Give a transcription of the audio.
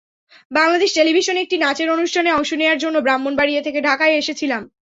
বাংলাদেশ টেলিভিশনের একটি নাচের অনুষ্ঠানে অংশ নেওয়ার জন্য ব্রাহ্মণবাড়িয়া থেকে ঢাকায় এসেছিলাম।